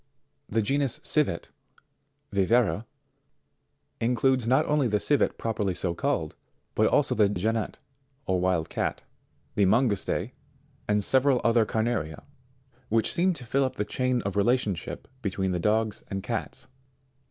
62. The genus CIVET, Viverra, includes not only the Civet properly so called, but also the Genet, or wild cat, the Mangouste and several other carnaria, which seem to fill up the chain of re lationship between the dogs and cats.